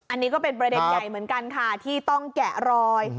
อันนี้ก็เป็นประเด็นใหญ่เหมือนกันค่ะที่ต้องแกะรอย